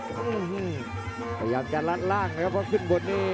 พยายามจะลัดล่างนะครับเพราะขึ้นบนนี้